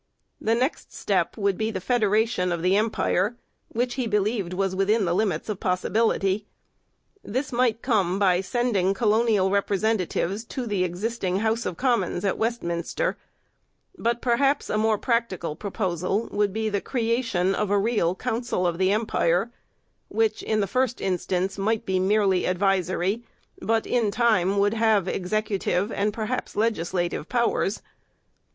The next step would be the federation of the Empire, which he believed was within the limits of possibility. This might come by sending colonial representatives to the existing House of Commons at Westminster, but perhaps a more practical proposal would be the creation of a real Council of the Empire, which in the first instance might be merely advisory but in time would have executive and perhaps legislative powers.